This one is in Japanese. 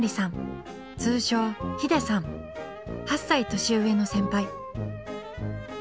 ８歳年上の先輩。